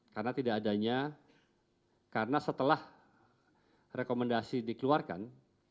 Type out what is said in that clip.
karena tidak adanya karena setelah rekomendasi dikeluarkan